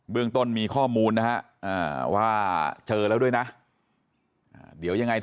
เบื้องต้นมีข้อมูลนะฮะว่าเจอแล้วด้วยนะ